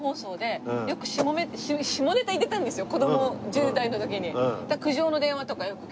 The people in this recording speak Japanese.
子供１０代の時に。